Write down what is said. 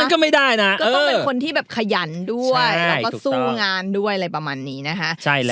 ก็ไม่ได้นะก็ต้องเป็นคนที่แบบขยันด้วยแล้วก็สู้งานด้วยอะไรประมาณนี้นะคะ